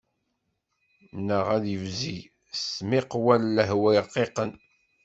Neɣ ad yebzeg s tmiqwa n lehwa rqiqen.